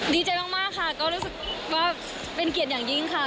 ดีใจมากค่ะก็รู้สึกว่าเป็นเกียรติอย่างยิ่งค่ะ